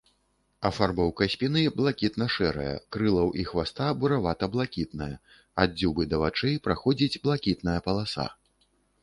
Афарбоўка спіны блакітна-шэрая, крылаў і хваста буравата-блакітная, ад дзюбы да вачэй праходзіць блакітная палоса.